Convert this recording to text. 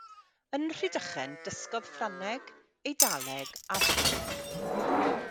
Yn Rhydychen dysgodd Ffrangeg, Eidaleg a Sbaeneg.